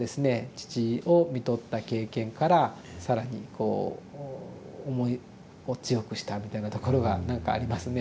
父をみとった経験から更にこう思いを強くしたみたいなところが何かありますね。